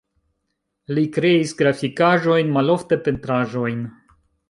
Li kreis grafikaĵojn, malofte pentraĵojn.